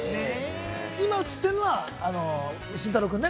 今、映っているのが慎太郎君ね！